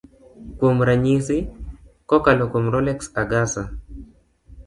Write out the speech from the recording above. kuom ranyisi. kokalo kuom Rolex Agasa